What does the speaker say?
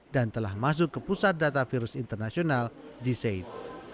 dan telah masuk ke pusat data virus internasional g said